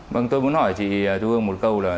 vâng tôi muốn hỏi chị hương một câu là